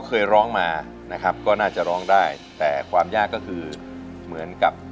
เคยร้องมานะครับก็น่าจะร้องได้แต่ความยากก็คือเหมือนกับ